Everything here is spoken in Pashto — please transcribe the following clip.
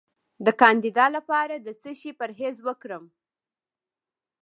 د کاندیدا لپاره د څه شي پرهیز وکړم؟